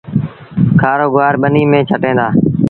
کآرو گُوآر ٻنيٚ ميݩ ڇٽيٚن دآ